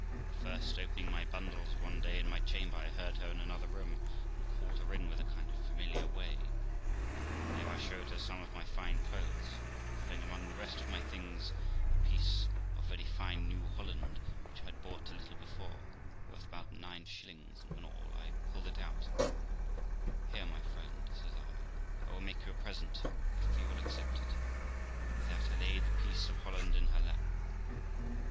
And first, opening my bundles one day in my chamber, I heard her in another room, and called her in with a kind of familiar way. There I showed her some of my fine clothes, and having among the rest of my things a piece of very fine new holland, which I had bought a little before, worth about 95. an ell, I pulled it out :' Here, my friend', says I, 'I will make you a present, if you will accept of it'; and with that I laid the piece of holland in her lap.